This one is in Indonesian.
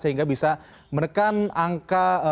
sehingga bisa menekan angka